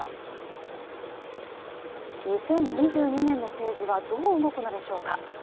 ２０２２年の政治は、どう動くのでしょうか。